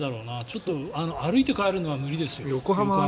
ちょっと歩いて帰るのは無理ですよ、横浜までは。